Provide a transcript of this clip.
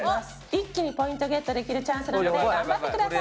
一気にポイントゲットできるチャンスなので頑張ってください！